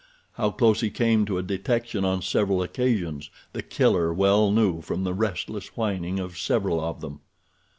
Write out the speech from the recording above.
How close he came to a detection on several occasions The Killer well knew from the restless whining of several of them.